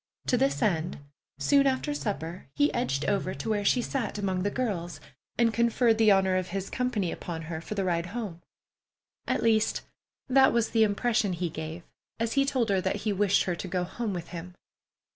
To this end, soon after supper he edged over to where she sat among the girls, and conferred the honor of his company upon her for the ride home; at least, that was the impression he gave as he told her that he wished her to go home with him.